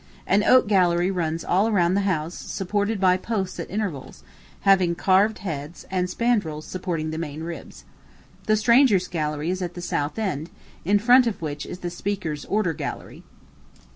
An oak gallery runs all round the house, supported by posts at intervals, having carved heads, and spandrills supporting the main ribs. The strangers' gallery is at the south end, in front of which is the speaker's order gallery.